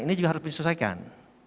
ini juga harus diselesaikan